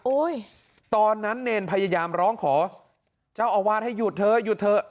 ตอนนั้นเนรพยายามร้องขอเจ้าอาวาสให้หยุดเถอะหยุดเถอะ